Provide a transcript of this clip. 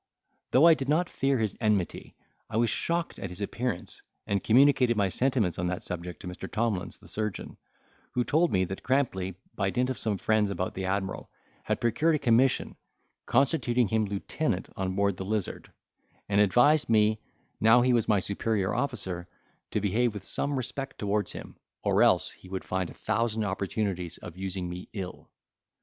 Though I did not fear his enmity, I was shocked at his appearance, and communicated my sentiments on that subject to Mr. Tomlins the surgeon, who told me that Crampley, by dint of some friends about the admiral, had procured a commission, constituting him lieutenant on board the Lizard; and advised me, now he was my superior officer, to behave with some respect towards him, or else he would find a thousand opportunities of using me ill.